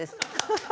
ハハハ。